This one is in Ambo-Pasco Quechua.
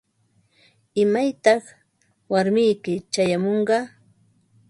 ¿Imaytaq warmiyki chayamunqa?